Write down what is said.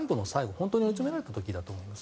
本当に追い詰められた時だと思います。